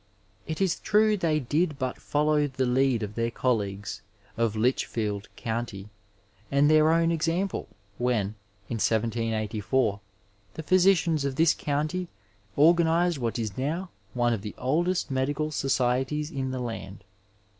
It is true they did but follow the lead of their colleagues of Litchfield County and their own exampls when, in 1784, the physicians of this county organized what is now one of the oldest medical societies in the land.